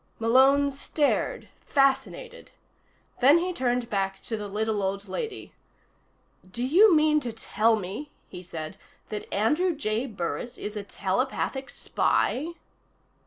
Malone stared, fascinated. Then he turned back to the little old lady. "Do you mean to tell me," he said, "that Andrew J. Burris is a telepathic spy?"